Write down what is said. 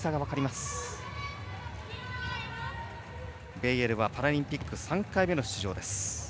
ベイエルはパラリンピック３回目の出場です。